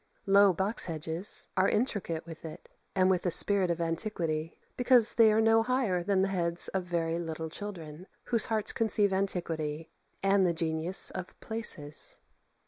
Low box hedges are intricate with it, and with the spirit of antiquity, because they are no higher than the heads of very little children, whose hearts conceive antiquity and the genius of places.